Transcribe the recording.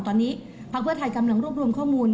ตอนนี้พักเพื่อไทยกำลังรวบรวมข้อมูล